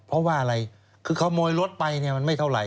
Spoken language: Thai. เพราะว่าอะไรคือขโมยรถไปเนี่ยมันไม่เท่าไห